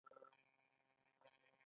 زه په بشپړ صلاحیت ویلای شم.